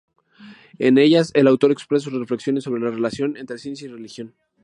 En ellas el autor expresa sus reflexiones sobre la relación entre ciencia y religión.